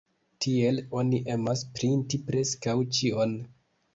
Tiel oni emas printi preskaŭ ĉion.